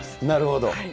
なるほど。